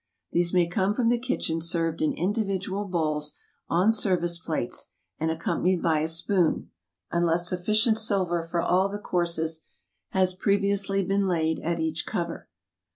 These may come from the kitchen served in individual bowls on service plates and accom panied by a spoon, unless suffi cient silver for all the courses has previously been laid at each cover.